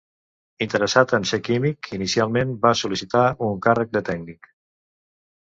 Interessat a ser químic, inicialment va sol·licitar un càrrec de tècnic.